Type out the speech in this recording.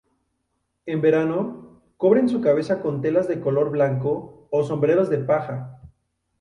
En verano, cubren su cabeza con telas de color blanco o sombreros de paja.